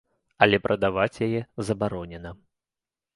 Але прадаваць яе забаронена.